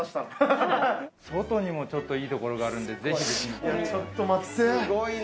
外にもちょっといいところがあるんで、ぜひ。